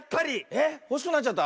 えっほしくなっちゃった？